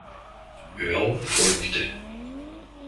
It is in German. Earl" folgte.